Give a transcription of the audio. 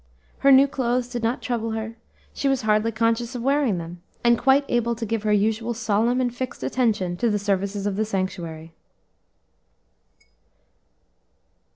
Her new clothes did not trouble her; she was hardly conscious of wearing them, and quite able to give her usual solemn and fixed attention to the services of the sanctuary.